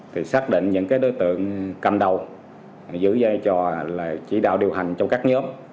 thì xác định những đối tượng cầm đầu giữ dây cho chỉ đạo điều hành cho các nhóm